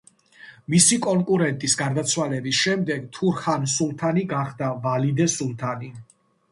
მისი კონკურენტის გარდაცვალების შემდეგ თურჰან სულთანი გახდა ვალიდე სულთანი.